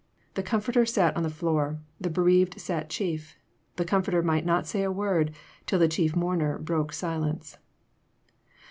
The comforter sat on the floor; the bereaved sat chief. The comforter might not say a word till the chief mourner broke silence."